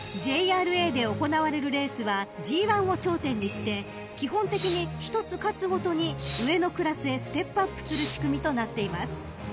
［ＪＲＡで行われるレースはＧⅠを頂点にして基本的に一つ勝つごとに上のクラスへステップアップする仕組みとなっています］